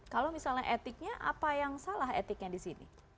kalau misalnya etiknya apa yang salah etiknya disini